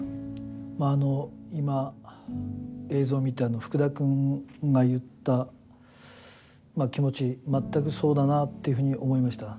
今、映像を見て福田君が言った気持ち全くそうだなというふうに思いました。